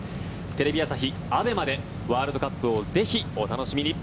テレビ朝日・ＡＢＥＭＡでワールドカップをぜひお楽しみに。